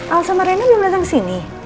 al sama rina belum datang sini